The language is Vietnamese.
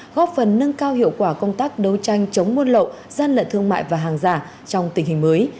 góp phần nâng cao hiệu quả công tác đấu tranh chống muôn lậu gian lận thương mại và hàng giả trong tình hình mới